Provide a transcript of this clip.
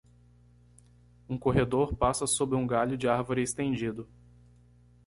Um corredor passa sob um galho de árvore estendido.